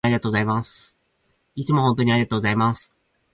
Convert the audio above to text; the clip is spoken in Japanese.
いつも本当にありがとうございます